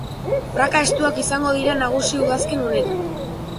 Praka estuak izango dira nagusi udazken honetan.